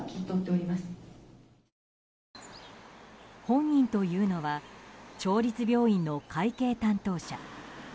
本人というのは町立病院の会計担当者。